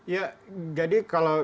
ya jadi kalau